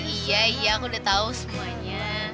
iya iya aku udah tau semuanya